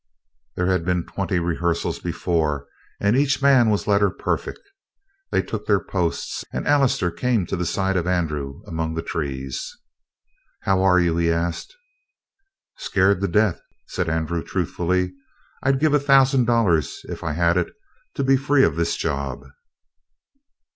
There had been twenty rehearsals before, and each man was letter perfect. They took their posts, and Allister came to the side of Andrew among the trees. "How are you?" he asked. "Scared to death," said Andrew truthfully. "I'd give a thousand dollars, if I had it, to be free of this job."